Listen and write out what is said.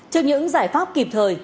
trước những giải pháp kịp thời